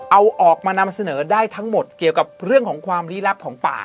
เอาออกมานำเสนอได้ทั้งหมดเกี่ยวกับเรื่องของความลี้ลับของป่า